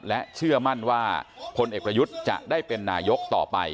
และเชื่อมั่นว่าพลเอกประยุทธ์จะได้เป็นนายกต่อไป